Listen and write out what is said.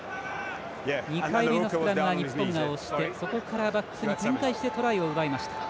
２回目のスクラムは日本が押してそこからバックスに展開してトライを奪いました。